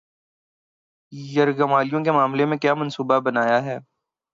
یرغمالوں کے معاملے میں کیا منصوبہ بنایا ہے